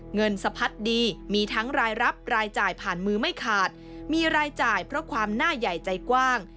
เงินสะพัดดีมีทั้งรายรับรายจ่ายผ่านมือไม่ขาดมีรายจ่ายเพราะความหน้าใหญ่ใจกว้าง